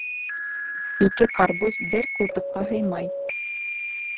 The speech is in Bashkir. Ике ҡарбуз бер ҡултыҡҡа һыймай.